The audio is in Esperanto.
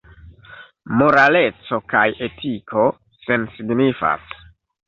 Moraleco kaj etiko sensignifas.